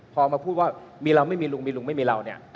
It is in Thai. พอพูดว่ามีเราไม่มีลุงมีลุงไม่มีเรา